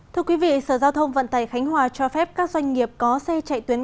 thưa quý vị sở giao thông vận tải khánh hòa cho phép các doanh nghiệp có xe chạy tuyến